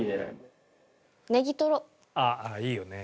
ああいいよね。